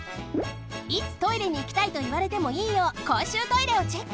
いつ「トイレにいきたい」といわれてもいいようこうしゅうトイレをチェック！